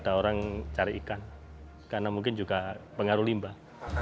ada orang cari ikan karena mungkin juga pengaruh limbah